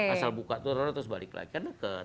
asal buka terus balik lagi kan deket